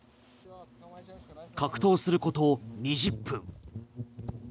格闘すること２０分。